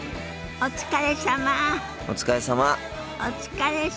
お疲れさま。